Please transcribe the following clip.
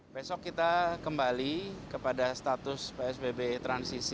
besok kita kembali kepada status psbb transisi